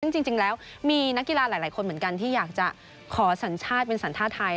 ซึ่งจริงแล้วมีนักกีฬาหลายคนเหมือนกันที่อยากจะขอสัญชาติเป็นสัญชาติไทย